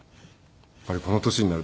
やっぱりこの年になると。